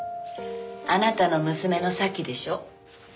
あなたの娘の沙希でしょ。